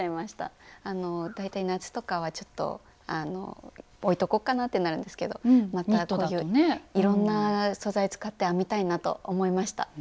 大体夏とかはちょっと置いとこっかなってなるんですけどまたこういういろんな素材使って編みたいなと思いました。